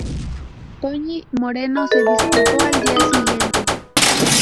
Toñi Moreno se disculpó al día siguiente.